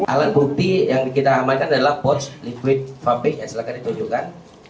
alat bukti yang kita amankan adalah poch liquid fabi silahkan ditunjukkan